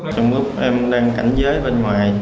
trong lúc em đang cảnh giới bên ngoài